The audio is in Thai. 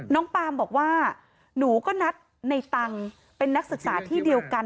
ปามบอกว่าหนูก็นัดในตังค์เป็นนักศึกษาที่เดียวกัน